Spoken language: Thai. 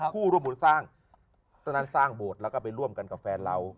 ผู้ร่วมบุญสร้างตอนนั้นสร้างโบสถ์แล้วก็ไปร่วมกันกับแฟนเรา